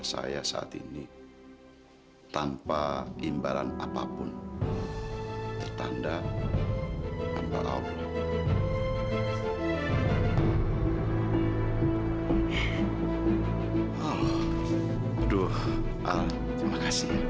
saya sangat siap sekali dok